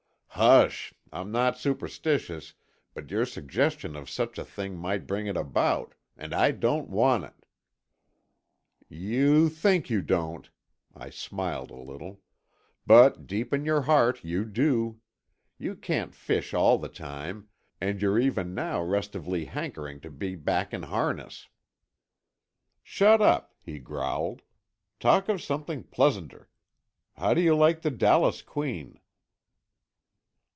"Hush! I'm not superstitious, but your suggestion of such a thing might bring it about. And I don't want it!" "You think you don't," I smiled a little, "but deep in your heart you do. You can't fish all the time, and you're even now restively hankering to be back in harness." "Shut up!" he growled. "Talk of something pleasanter. How do you like the Dallas queen?"